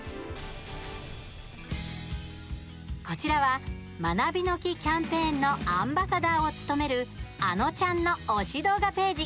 こちらは「まなびの木キャンペーン」のアンバサダーを務めるあのちゃんの推し動画ページ。